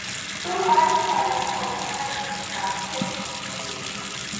ټول غير شرعي کارونه يې بند کړي دي.